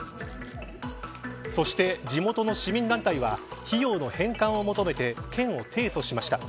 そして地元の市民団体は費用の返還を求めて県を提訴しました。